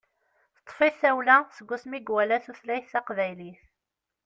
Teṭṭef-it tawla seg asmi i iwala tutlayt taqbaylit.